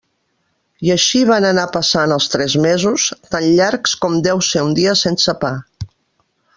I així van anar passant els tres mesos, tan llargs com deu ser un dia sense pa.